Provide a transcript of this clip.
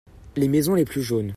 Les maisons les plus jaunes.